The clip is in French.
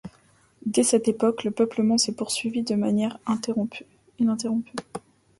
Dès cette époque, le peuplement s'est poursuivi de manière ininterrompue.